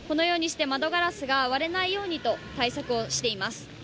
このようにして窓ガラスが割れないようにと対策をしています。